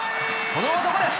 この男。